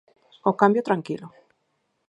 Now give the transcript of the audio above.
O cambio tranquilo